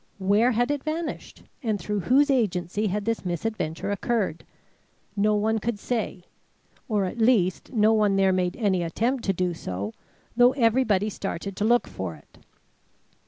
Where had it vanished, and through whose agency had this misadventure occurred? No one could say, or, at least, no one there made any attempt to do so, though everybody started to look for it.